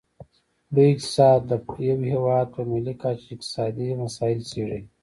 لوی اقتصاد د یو هیواد په ملي کچه اقتصادي مسایل څیړي